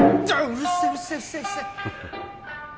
うるせえ